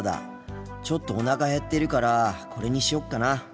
ちょっとおなかへってるからこれにしよっかな。